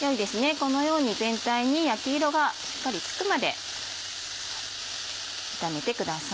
このように全体に焼き色がしっかりつくまで炒めてください。